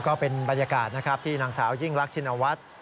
ก็เป็นบรรยากาศนะครับที่นางสาวยิ่งรักชินวัฒน์